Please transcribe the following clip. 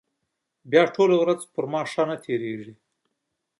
بیا ټوله ورځ پر ما ښه نه تېرېږي.